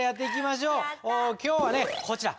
今日はねこちら。